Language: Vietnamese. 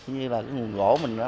như là cái nguồn gỗ mình nó